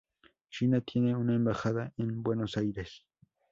China tiene una embajada en Buenos Aires.